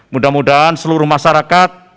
mudah mudahan seluruh masyarakat